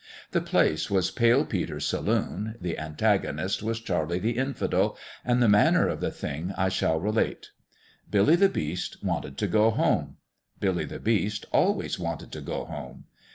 The place was Pale Peter's saloon, the antagonist was Charlie the Infidel, and the manner of the thing I shall relate. Billy the Beast wanted to go home. Billy the Beast always wanted to go home.